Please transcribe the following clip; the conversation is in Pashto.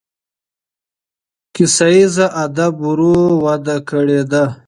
کیسه ییز ادب ورو وده کړې ده.